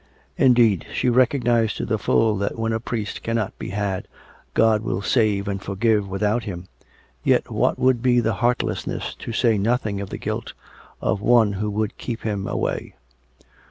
Indeed, she recognised to the full that when a priest cannot be had, God will save and forgive without him ; yet what would be the heartlessness, to say nothing of the guilt, of one that would Iceep him away?